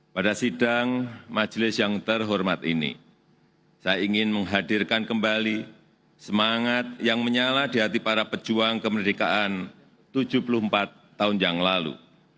pada sidang majelis yang terhormat ini saya ingin menghadirkan kembali semangat yang menyala di hati para pejuang kemerdekaan tujuh puluh empat tahun yang lalu